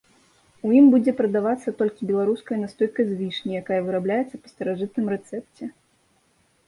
У ім будзе прадавацца толькі беларуская настойка з вішні, якая вырабляецца па старажытным рэцэпце.